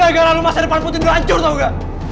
gara gara lo masa depan putri lo hancur tau gak